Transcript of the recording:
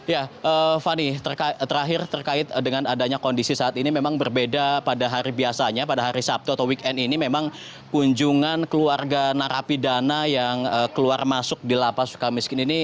ya fani terakhir terkait dengan adanya kondisi saat ini memang berbeda pada hari biasanya pada hari sabtu atau weekend ini memang kunjungan keluarga narapidana yang keluar masuk di lapas suka miskin ini